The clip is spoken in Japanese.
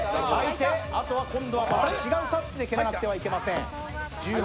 今度は違うタッチで蹴らなくてはいけません。